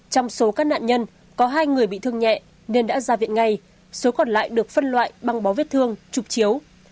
trong số các nạn nhân có hai người bị thương nhẹ nên đã ra viện ngay số còn lại được phân loại bằng bó vết thương trục chiếu